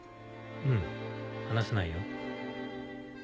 うん離さないよ。